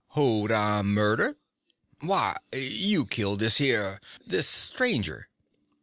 "Who'd I murder?" "Why, you killed this here ... this stranger."